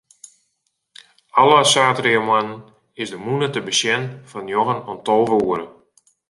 Alle saterdeitemoarnen is de mûne te besjen fan njoggen oant tolve oere.